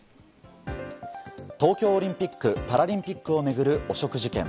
東京オリンピック・パラリンピックを巡る汚職事件。